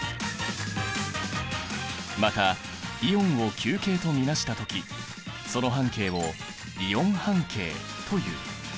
またイオンを球形と見なした時その半径をイオン半径という。